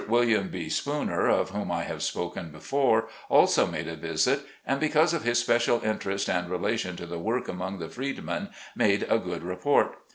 William B. Spooner, of whom I have spoken before, also made a visit, and because of his special interest and relation to the work among the freed men, made a good report.